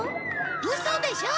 ウソでしょ！？